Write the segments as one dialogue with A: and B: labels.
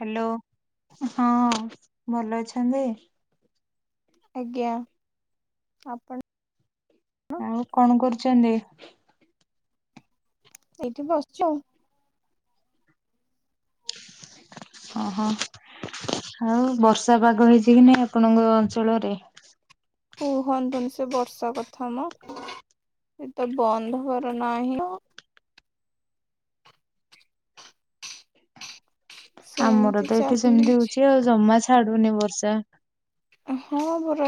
A: Hello ହଁ ଭଲ ଅଛନ୍ତି।
B: ଆଜ୍ଞା ଆପଣ।
A: ଆଉ କଣ କରୁଚନ୍ତି।
B: ଏଇଠି ବସିଚିଆଉ।
A: ଓହ ଆଉ ବର୍ଷା ପାଗ ହେଇଚି କି ନାଇ ଆପଣଙ୍କ ଅଞ୍ଚଳରେ।
B: କୁହନ୍ତୁନି ସେ ବର୍ଷା କଥାମ ଏତ ବନ୍ଦ ହବାର ନାହିଁ ଆଉ।
A: ଆମର
B: ସେମିତି
A: ତ ଏଠି ସେମିତି
B: ଚାଲିଛି
A: ହଉଚି ଆଉ ଜମା ଛାଡୁନି ବର୍ଷା।
B: ହଁ ପରା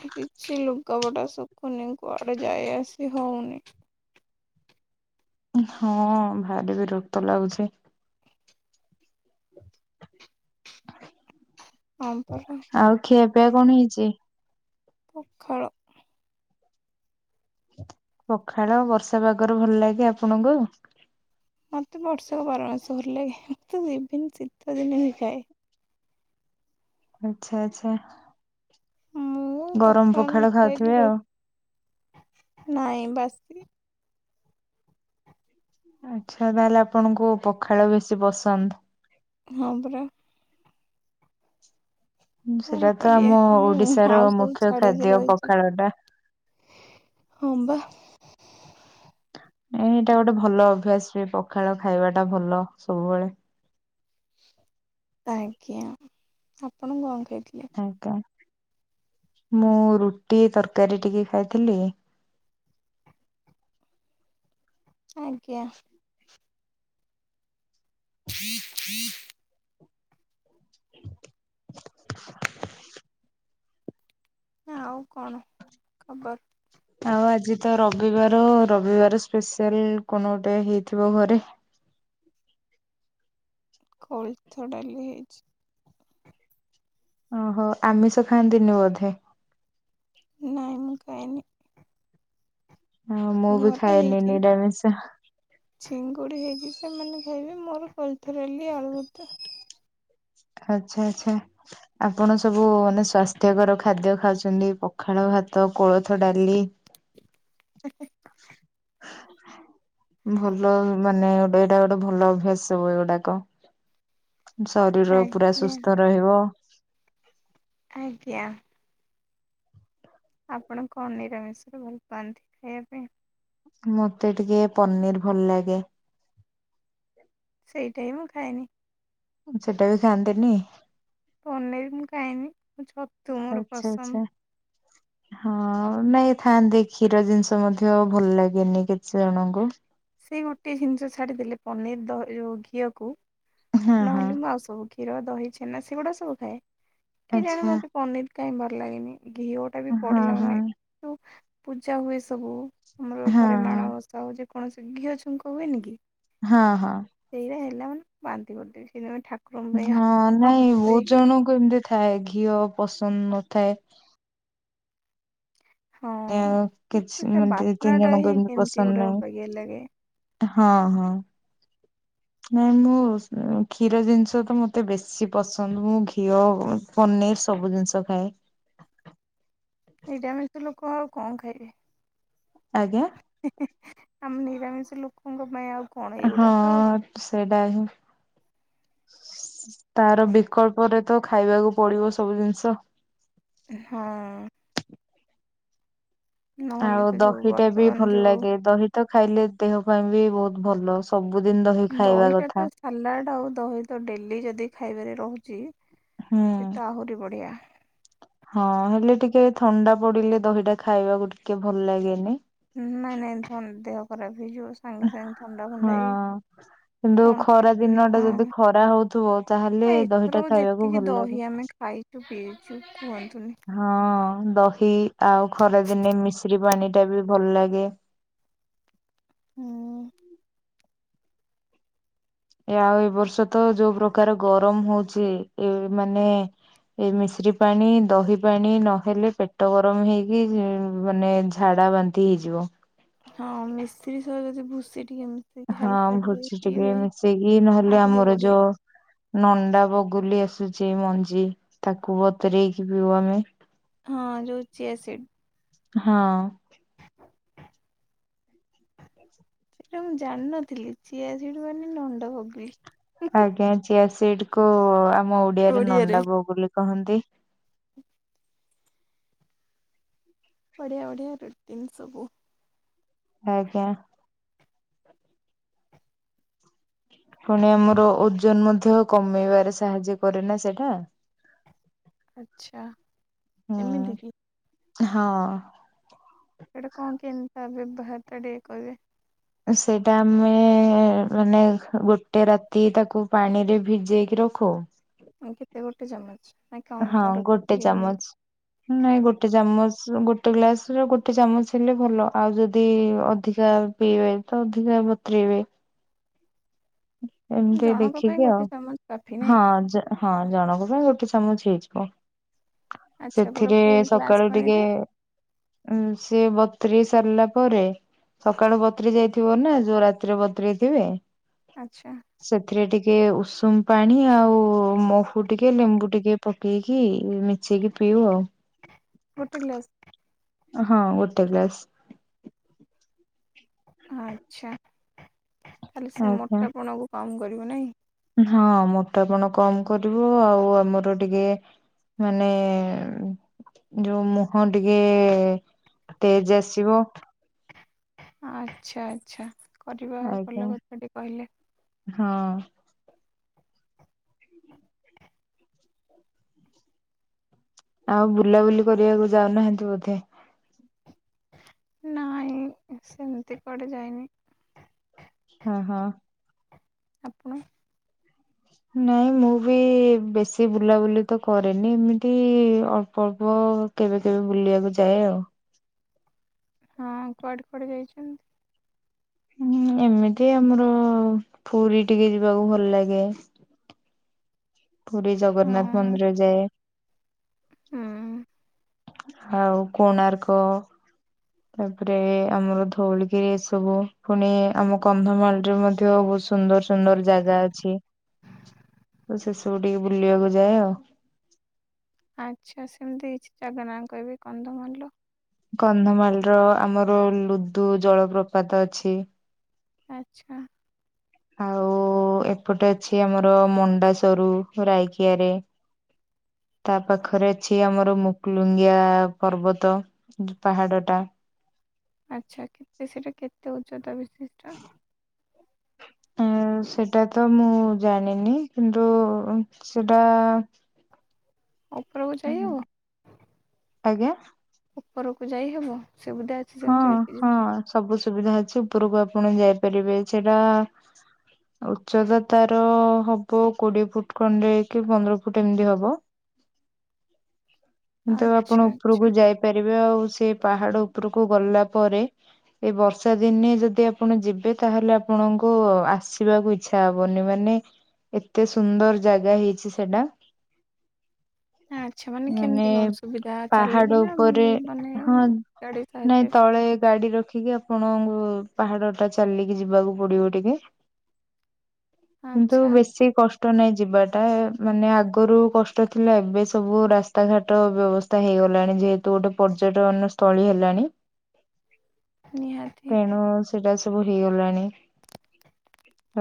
B: କିଛି ଲୁଗା ବଟା ସୁ କୁନି କୁଆଡେ ଯାଇ ଆସି ହଉନି।
A: ହଁ ଭାରି ବିରକ୍ତ ଲାଗୁଚି।
B: ହଁ ପରା
A: ଆଉ ଖିଆ ପିଆ କଣ ହେଇଚି।
B: ପଖାଳ।
A: ପଖାଳ ବର୍ଷା ପାଗରେ ଭଲ ଲାଗେ ଆପଣଙ୍କୁ।
B: ମୋତେ ବର୍ଷକ ବାରମାସି ଭଲ ଲାଗ ମୁଁ ତ ଇଭିନ୍ ଶୀତ ଦିନ ବି ଖାଏ।
A: ଆଛା ଆଚ୍ଛା।
B: ଆଉ
A: ଗରମ
B: ପଖାଳ
A: ଖାଉଥିବେ
B: ଖାଇଲି
A: ଆଉ।
B: ରହି ନାଇଁ ବାସି।
A: ଆଚ୍ଛା ତାହେଲେ ଆପଣଙ୍କୁ ପଖାଳ ବେଶୀ ପସନ୍ଦ।
B: ହଁ ପରା। କଣ
A: ସେଟା ତ ଆମ
B: କରିବା ମୁଁ
A: ଓଡିଶାର
B: ଆଉ ସବୁ
A: ମୁଖ୍ୟ
B: ଛାଡ଼ିକି
A: ଖାଦ୍ୟ
B: ରହିଚି।
A: ପଖାଳ ଟା।
B: ହଁ ବା।
A: ଏଇଟା ଗୋଟେ ଭଲ ଅଭ୍ୟାସ ବି ପଖାଳ ଖାଇବା ଟା ଭଲ ସବୁବେଳେ।
B: ଆଜ୍ଞା ଆପଣ କଣ ଖାଇଥିଲେ।
A: ଆଜ୍ଞା ମୁଁ ରୁଟି ତରକାରୀ ଟିକେ ଖାଇଥିଲି।
B: ଆଜ୍ଞା। ଜ ହି
A: [inaudible]
B: ନା ଆଉ କଣ ଖବର।
A: ଆଉ ଆଜି ତ ରବିବାର ରବିବାର ସ୍ପେସିଆଲ କଣ ଗୋଟେ ହେଇଥିବ ଘରେ।
B: କୋଳିଥ ଡାଲି ହେଇଚି।
A: ଓହୋ ଆମିଷ ଖାଆନ୍ତିନି ବୋଧେ।
B: ନାାଇ ମୁ ଖାଏନି।
A: ହଁ ମୁଁ ବି ଖାଏନି ନିରାମିଷ।
B: ଚିଙ୍ଗୁଡ଼ି ହେଇଛି ସେମାନେ ଖାଇବେ ମୋର କୋଳଥ ଡାଲି ଆଳୁଭତ୍ତା।
A: ଆଛା ଆଚ୍ଛା। ଆପଣ ସବୁ ମାନେ ସ୍ଵାସ୍ଥ୍ୟକର ଖାଦ୍ୟ ଖାଉଛନ୍ତି ପଖାଳ ଭାତ କୋଳଥ ଡାଲି।
B: [unintelligible]
A: ଭଲ ମାନେ ଗୋଟେ ଏଇଟା ଗୋଟେ ଭଲ ଅଭ୍ୟାସ ସବୁ ଏଗୁଡାକ। ଶରୀର ପୁରା
B: ଆଜ୍ଞା
A: ସୁସ୍ଥ ରହିବ।
B: ଆଜ୍ଞା। ଆପଣ କଣ ନିରାମିଷ ରେ ଭଲ ପାଆନ୍ତି ଖାଇବା ପାଇଁ?
A: ମତେ ଟିକେ ପନିରି ଭଲ ଲାଗେ।
B: ସେଇଟା ବି ମୁଁ ଖାଏନି।
A: ସେଟା ବି ଖାଆନ୍ତିନି
B: ପନିରୀ ମୁଁ ଖାଏନି ମୁ ଛ
A: ଆଛା ଆଛା ହଁ ନାଇଁ ଥାନ୍ତି କ୍ଷୀର ଜିନିଷ ମଧ୍ୟ ଭଲ ଲାଗେନି କିଛି ଜଣଙ୍କୁ।
B: ସେଇ ଗୋଟେ ଜିନିଷ ଛାଡିଦେଲେ ପନିରୀ ଦ ଘିଅକୁ
A: ହଁ ହଁ
B: ନହେଲେ ମୁଁ ଆଉ ସବୁ କ୍ଷୀ କ୍ଷୀର ଦହି ଛେନା ସେଗୁଡା ସବୁ ଖାଏ। କି ଜାଣେ
A: ଆଚ୍ଛା
B: ମତେ ପନିର କାଇଁ ଭଲ ଲାଗେନି ଘିଅ ସେଠା ବି
A: ହଁ
B: ପଡିଲା
A: ହଁ
B: ମାନେ ଯଉ ପୂଜା ହୁଏ ସବୁ ଆମର
A: ହଁ
B: ଘରେ
A: ହଁ।
B: ମାଣବସା ହଉ ଯେକୌ ଣସି ଘିଅ ଛୁଙ୍କ ହୁଏନି କି?
A: ହଁ ହଁ
B: ସେଇଟା ହେଲା ମାନେ ବାନ୍ତି କରିଦେବି ସେଦିନ ଠା
A: ହଁ ନାଇଁ ବହୁତ ଜଣଙ୍କୁ ଏମିତି ଥାଏ ଘିଅ ପସନ୍ଦ ନଥାଏ।
B: ହଁ।
A: ଆଉ
B: ମତେ
A: କିଛି
B: ସେ
A: ଦି ତିନି
B: ବାସ୍ନାଟା
A: ଜଣଙ୍କୁ
B: ହିଁ
A: ଏମିତି
B: କେମିତି
A: ପସନ୍ଦ
B: ଗୋଟେ ଅବାଗିଆ ଲାଗେ
A: ନାହିଁ। ହଁ ହଁ ନାଇଁ ମୁଁ କ୍ଷୀର ଜିନିଷ ତ ମତେ ବେଶୀ ପସନ୍ଦ ମୁଁ ଘିଅ ପନିର ସବୁ ଜିନିଷ ଖାଏ।
B: ନିରାମିଷ ଲୋକ ଆଉ କଣ ଖାଇବେ?
A: ଆଜ୍ଞା
B: ଆମେ ନିରାମିଷ ଲୋକଙ୍କ ପାଇଁ ଆଉ କ
A: ହଁ ସେଇଟା ହିଁ ତାର ବିକଳ୍ପରେ ତ ଖାଇବାକୁ ପଡିବ ସବୁ ଜିନିଷ।
B: ହଁ ନହେଲେ
A: ଆଉ
B: ତ ଯୋଉ
A: ଦହିଟା ବି
B: ବର୍ତ୍ତମାନ
A: ଭଲ
B: ଯୋଉ
A: ଲାଗେ ଦହିତ ଖାଇଲେ ଦେହ ପାଇଁ ବି ବହୁତ ଭଲ। ସବୁଦିନ ଦହି ଖାଇବା
B: ଦହିଟା
A: କଥା
B: ତ ସାଲାଡ ଆଉ ଦହି ତ ଡେଲି ଯଦି ଖାଇବାରେ ରହୁଛି
A: ହୁଁ
B: ସେଟା ଆହୁରି ବଢିଆ।
A: ହଁ ହେଲେ ଟିକେ ଥଣ୍ଡା ପଡିଲେ ଦହିଟା ଖାଇବାକୁ ଟିକେ ଭଲ ଲାଗେନି।
B: ନାଇଁ ନାଇଁ ଦେହ ଖରାପ ହେଇଯିବ ସାଙ୍ଗେ ସାଙ୍ଗେ ଥଣ୍ଡା ଫଣ୍ଡା
A: ହଁ
B: ହେଇ
A: କିନ୍ତୁ
B: ତଣ୍ଟିି
A: ଖରା
B: ମାନେ
A: ଦିନ ଟା ଯଦି ଖରା ହଉଥିବ ତାହେଲେ
B: ହଁ
A: ଦହିଟା
B: ଏଥର
A: ଖାଇବାକୁ
B: ଯେତିକି
A: ଭଲ ଲାଗେ
B: ଦହି ଆମେ ଖାଇ ଛୁ ପିଇଛୁ କୁହନ୍ତୁନି।
A: ହଁ ଦହି ଆଉ ଖରା ଦିନେ ମିଶ୍ରି ପାଣି ଟା ବି ଭଲ ଲାଗେ।
B: ହୁଁ
A: ଆଉ ଏ ବର୍ଷ ତ ଯୋଉ ପ୍ରକାର ଗରମ ହଉଚି ଏ ମାନେ ଏ ମିଶ୍ରି ପାଣି ଦହି ପାଣି ନହେଲେ ପେଟ ଗରମ ହେଇକି ମାନେ ଝାଡା ବାନ୍ ନ୍ତି ହେଇଯିବ।
B: ହଁ ମିଶ୍ରି ସହ ଯଦି ଭୁଷି ଟିକେ ମି
A: ହଁ ଭୁଛି ଟିକେ ମିଶେଇକି ନହେଲେ
B: ଆହୁରି
A: ଆମର
B: ବଢିଆ
A: ଯୋ ନଣ୍ଡା ବଗୁଲି ଆସୁଛି ମଞ୍ଜି ତାକୁ ବତରେଇକି ପିଉ ଆମେ।
B: ହଁ ଯେଉଁ ଚିଆସିଡ୍।
A: ହଁ।
B: ସେଟା ମୁଁ ଜାଣିନଥିଲି ଚିଆସିଟ ମାନେ ନଣ୍ଡାଵଗୁଲି।
A: ଆଜ୍ଞା। ଚିଆସିଟ କୁ ଆମ ଓଡିଆରେ ନଣ୍ଡା ବୋଗଲି କହନ୍ତି।
B: ବଢ଼ିଆ ବଢ଼ିଆ ରୁଟିନ୍ ସବୁ।
A: ଆଞା। ପୁଣି ଆମର ଓଜନ ମଧ୍ୟ କମେଇବାରେ ସାହାଯ୍ୟ କରେ ନା ସେଇଟା,
B: ଆଛା।
A: ହୁଁ
B: ଏମିତି କି?
A: ହଁ।
B: ସେଇଟା କଣ କେମିତା ବ୍ୟବାହାର ଟା ଟିକିଏ କହିବେ?
A: ସେଇଟା ଆମେ ମାନେ ଗୋଟେ ରାତି ତାକୁ ପାଣିରେ ଭିଜେଇକି ରଖୁ।
B: କେତେ ଗୋଟେ ଚାମଚ? ନା କଣ
A: ହଁ
B: ତାର କେତେ
A: ଗୋଟେ
B: କି ରହିବ
A: ଚାମଚ। ନାଇଁ ଗୋଟେ ଚାମଚ ଗୋଟେ ଗ୍ଲାସ ର ଗୋଟେ ଚାମଚ ହେଲେ ଭଲ ଆଉ ଯଦି ଅଧି [unintelligible] ପିଇବେ ତ ଅଧିକା ବତରିବେ। ଏମିତି
B: ଜଣଙ୍କ ପାଇଁ
A: ଦେଖିକି ଆଉ
B: ଗୋଟେ ଚାମଚ କାଫି
A: ହଁ
B: ନାଇଁ
A: ଜ ହଁ ଜଣଙ୍କ ପାଇଁ ଗୋଟେ ଚାମଚ ହେଇଯିବ।
B: ଆଚ୍ଛା ପୁରା
A: ସେଥିରେ
B: ଫୁଲ ଗ୍ଲାସ
A: ସକାଳୁ ଟିକେ
B: ପାଣିରେ
A: ଉଁ ସିଏ ବତୁରି ସାରିଲା ପରେ ସକାଳୁ ବତ୍ରି ଯାଇଥିବ ନା ଯୋଉ ରାତିରେ ବତ୍ରିଥିବେ।
B: ଆଚ୍ଛା।
A: ସେଥିରେ ଟିକେ ଉଷୁମ ପାଣି ଆଉ ମହୁ ଟିକେ ଲେମ୍ବୁ ଟିକେ, ପକେଇକି ମିଶେଇକି ପିବ।
B: ଗୋଟେ ଗ୍ଲାସ?
A: ହଁ ଗୋଟେ ଗ୍ଲାସ୍।
B: ଆଚ୍ଛା। ତାହେଲେ ସେ
A: ଆଜ୍ଞା
B: ମୋଟାପଣକୁ କମ କରିବ ନାଇଁ।
A: ହଁ ମୋଟାପଣ କମ କରିବ ଆଉ ଆମର ଟିକେ ମାନେ ଯୋଉ ମୁହଁ ଟିକେ ତେଜେ ଆସିବ।
B: ଆଚ୍ଛା ଆଚ୍ଛା। କରିବା
A: ଆଜ୍ଞା
B: ଭଲ କଥା ଟିକେ କହିଲେ।
A: ହଁ। ଆଉ ବୁଲାବୁଲି କରିବାକୁ ଯାଉନାହାନ୍ତି ବୋଧେ?
B: ନାଇଁ ସେମିତି କୁଆଣେ ଯାଇନି।
A: ହଁ ହଁ।
B: ଆପଣ?
A: ନାଇଁ ମୁଁ ବି ବେଶୀ ବୁଲାବୁଲି ତ କରେନି ଏମିତି ଅଳ୍ପ ଅଳ୍ପ, କେବେ କେବେ ବୁଲିବାକୁ ଯାଏ ଆଉ।
B: ହଁ କୁଆଡେ କୁଆଡେ ଯାଇଛନ୍ତି?
A: ହୁଁ ଏମିତି ଆମର ପୁରୀ ଟିକେ ଯିବାକୁ ଭଲ ଲାଗେ। ପୁରୀ ଜଗନ୍ନାଥ
B: ହଁ
A: ମନ୍ଦିର ଯାଏ।
B: ହୁଁ।
A: ଆଉ କୋଣାର୍କ ତାପରେ ଆମର ଧଉଳିଗିରି ଏସବୁ ପୁଣି ଆମ କନ୍ଧମାଳ ରେ ମଧ୍ୟ ବ [unintelligible] ସୁନ୍ଦର ସୁନ୍ଦର ଜାଗା ଅଛି। ସେସବୁ ଟିକେ ବୁଲିବାକୁ ଯାଏ ଆଉ।
B: ଆଚ୍ଛା ସେମିତି କିଛି ଯାଗା ନାଁ କହିବି କନ୍ଧମାଳର,
A: କନ୍ଧମାଲ ର ଆମର ଲୁଦୁ ଜଳପ୍ରପାତ ଅଛି।
B: ଆଚ୍ଛା।
A: ଆଉ ଉ ଏପଟେ ଅଛି ଆମର ମଣ୍ଡାସୋରୁ ରାଇକିଆ ରେ। ତା ପାଖରେ ଅଛି ଆମର ମୁକୁଲୁଙ୍ଗିଆ ପର୍ବତ। ହୁଁ ପାହାଡ ଟା।
B: ଆଚ୍ଛା କେତେ ସେଟା କେତେ ଉଚ୍ଚତା ବିଶିଷ୍ଟ?
A: ଉୁଁ ସେଟା ତ ମୁଁ ଜାଣିନି କିନ୍ତୁ ସେଟା
B: ଉପରକୁ ଯାଇହବ
A: ଆଜ୍ଞା
B: ଉପରକୁ ଯାଇହବ ସୁବିଧା ଅଛି
A: ହଁ
B: ସେମିତି କିଛି
A: ହଁ ସବୁ ସୁବିଧା ଅଛି ଉପରକୁ ଆପଣ ଯାଇପାରିବେ ସେଟା ଉଚ୍ଚତା ତାର ହବ କୋଡିଏ ଫୁଟ୍ ଖଣ୍ଡେ କି ପନ୍ଦର ଫୁଟ୍ ଏମିତି ହବ। ତ
B: ଆଚ୍ଛା
A: ଆପଣ
B: ଆଚ୍ଛା
A: ଉପରକୁ ଯାଇପାରିବେ ଆଉ ସେଇ ପାହାଡ ଉପରକୁ ଗଲା ପରେ ଏଇ ବର୍ଷା ଦିନେ ଯଦି ଆପଣ ଯିବେ ତାହେଲେ ଆପଣଙ୍କୁ ଆସିବାକୁ ଇ ଇଛା ହବନି ମାନେ ଏତେ ସୁନ୍ଦର ଜାଗା ହେଇଛି ସେଟା।
B: ଆଚ୍ଛା ମାନେ କେମିତି କଣ ସୁବିଧା ଚାଲିକି
A: ପାହାଡ
B: ନା
A: ଉପରେ
B: ମାନେ
A: ହଁ
B: ଗାଡି
A: ନାଇଁ
B: ସାହାଯ୍ୟ
A: ତଳେ ଗାଡି ରଖିକି ଆପ୍ ଆପଣଙ୍କୁ ପାହାଡ ଟା ଚାଲିକି ଯିବାକୁ ପଡିବ ଟିକେ। କିନ୍ତୁ
B: ଆଚ୍ଛା
A: ବେଶୀ କଷ୍ଟ କଷ୍ଟ ନାଇଁ ଯିବାଟା ମାନେ ଆଗରୁ କଷ୍ଟ ଥିଲା ଏବେ ସବୁ ରାସ୍ ରାସ୍ତା ଘାଟ ବ୍ୟବସ୍ଥା ହେଇଗଲାଣି ଯେହେତୁ ଗୋଟେ ପର୍ଯ୍ୟଟନ ସ୍ଥଳୀ ହେଲାଣି।
B: ନିହାତି
A: ତେଣୁ ସେଟା ସବୁ ହେଇଗଲାଣି।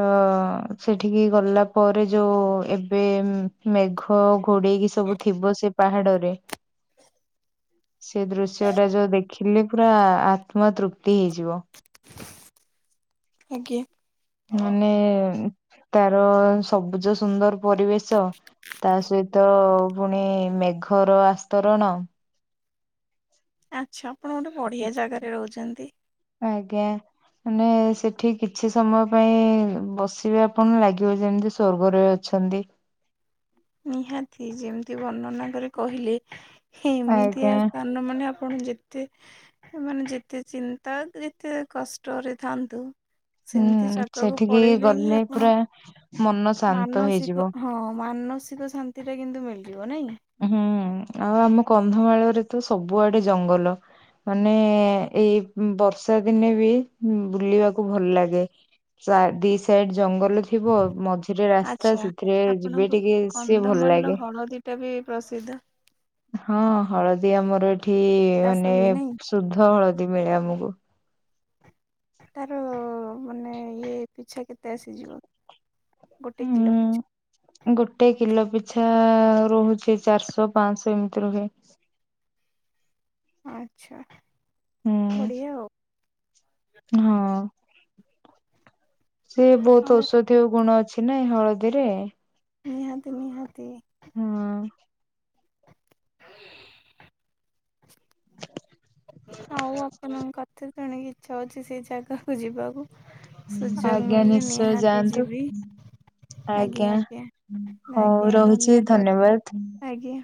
A: ତ ସେଠିକି ଗଲା ପରେ ଯୋଉ ଏବେ ଉଁ ମେଘ ଘୋଡେଇକି ସବୁ ଥିବ ସେ ପାହାଡରେ। ସେ ଦୃଶ୍ୟ ଟା ଯୋଉ ଦେଖିଲେ ପୁରା ଆତ୍ମ ତୃପ୍ତି ହେଇଯିବ।
B: ଆଜ୍ଞା।
A: ମାନେ ତାର ସବୁଜ ସୁନ୍ଦର ପରିବେଶ ତା ସହିତ ପୁଣି ମେଘର ଆସ୍ତରଣ
B: ଆଚ୍ଛା ଆପଣ ଗୋଟେ ବଢ଼ିଆ ଜାଗାରେ ରହୁଛନ୍ତି।
A: ଆଜ୍ଞ।। ମାନେ ସେଠି କିଛି ସମୟ ପାଇଁ ବସିବେ ଆପଣ ଲାଗିବ ଯେମିତି ସ୍ଵର୍ଗରେ ଅ ଛନ୍ତି
B: ନିହାତି ଯେମିତି ବର୍ଣ୍ଣନା କରି କହିଲେ ଏମିତିଆ
A: ଆଜ୍ଞା
B: ରାସ୍ତା। ଅନ୍ୟମାନେ ଆପଣ ଯେତେ ଏ ମାନେ ଯେତେ ଚିନ୍ତା ଯେତେ କଷ୍ଟରେ ଥାନ୍ତୁ ସେମତି ଜାଗାକୁ ପଳେଇଲେ ହିଁ ଆପଣ
A: ହେଇ ଲୋ।
B: ମାନସିକ ହଁ ମାନସିକ ଶାନ୍ତି ଟା କିନ୍ତୁ ମିଳିଯିବ ନାଇଁ କି।
A: ହଁ ଆଉ ଆମ କନ୍ଧମାଳରେ ତ ସବୁଆଡେ ଜଙ୍ଗଲ। ମାନେ ଏଇ ବର୍ଷା ଦିନେ ବି ବୁଲିବାକୁ ଭଲ ଲାଗେ। ଚା ଦି ସାଇଡ୍ ଜଙ୍ଗଲ ଅଛି। ଥିବ ମଝିରେ ରାସ୍ତା
B: ଆଚ୍ଛା
A: ସେଥିରେ ଯିବେ ଟିକେ ସିଏ ଭଲ ଲାଗେ।
B: ଏଟା ବି ପ୍ରସିଦ୍ଧ।
A: ହଁ ହଳଦୀ ଆମର ଏଠି
B: ଚାଷ
A: ମାନେ
B: ହୁଏ ନାହିଁ
A: ଶୁଦ୍ଧ ହଳଦୀ ମିଳେ ଆମକୁ।
B: ତାର ମାନେ ଇଏ ପିଛା କେତେ ଆସିଯିବ ଗୋଟେ କିଲୋ
A: ହୁଁ
B: ପିଛା?
A: ଗୋଟେ କିଲୋ ପିଛା ରହୁଛି ଚାରିଶହ ପାଞ୍ଚଶହ ଏମିତି ରୁହେ।
B: ଆଛା
A: ହୁଁ
B: ବଢିଆ ଆଉ।
A: ହଁ ସେ ବହୁତ
B: ହଉ
A: ଔଷଧୀୟ ଗୁଣ ଅଛି। କି ନାଇ ହଳଦୀରେ
B: ନିହାତି ନିହାତି।
A: ହୁଁ।
B: ହୁ [inaudible] ଆଉ ଆପଣ କଥା। ତେଣିକି ଇଚ୍ଛା ହଉଛି ସେ ଜାଗାକୁ ଯିବାକୁ। ସୁଯୋଗ
A: ଆଜ୍ଞା
B: ମିଳିଲେ
A: ନିଶ୍ଚୟ
B: ନିହାତି
A: ଯାଆନ୍ତୁ
B: ଯିବି। ଆଜ୍ଞା ଆଜ୍ଞା
A: ହଉ
B: ଆଜ୍ଞା
A: ରହୁଛି
B: ଧନ୍ୟବାଦ ଆଜ୍ଞା।